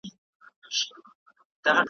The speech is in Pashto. د غریب پر مرګ څوک نه ژاړي ,